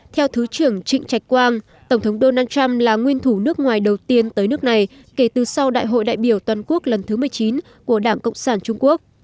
theo thứ trưởng trịnh trạch quang tổng thống donald trump là nguyên thủ nước ngoài đầu tiên tới nước này kể từ sau đại hội đại biểu toàn quốc lần thứ một mươi chín của đảng cộng sản trung quốc